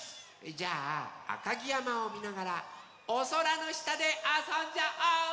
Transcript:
じゃああかぎやまをみながらおそらのしたであそんじゃおう！